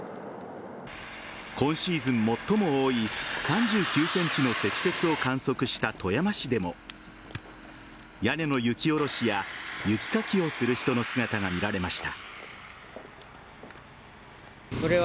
今シーズン最も多い３９ｃｍの積雪を観測した富山市でも屋根の雪下ろしや雪かきをする人の姿が見られました。